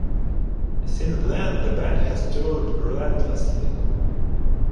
Since then the band has toured relentlessly.